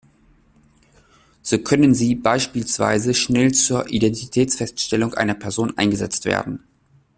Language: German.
So können sie beispielsweise schnell zur Identitätsfeststellung einer Person eingesetzt werden.